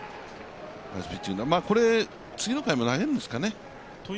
これ、次の回も投げるんですかね。